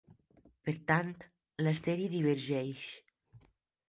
Per tant, la sèrie divergeix.